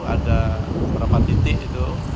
ada beberapa titik itu